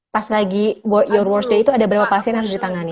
pas lagi your worst day itu ada berapa pasien yang harus ditangani